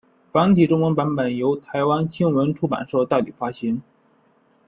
繁体中文版本由台湾青文出版社代理发行。